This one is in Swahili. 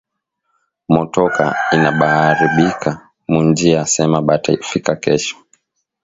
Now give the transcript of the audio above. Motoka inabaaribikia mu njia asema bata fika kesho